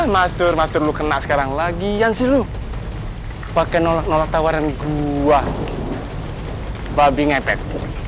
master master lu kena sekarang lagian sih lu pakai nolak nolak tawaran buah babi ngepet